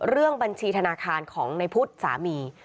เรื่องบัญชีธนาคารของนายพุทธสามี